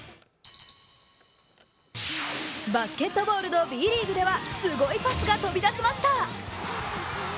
バスケットボールのＢリーグではすごいパスが飛び出しました。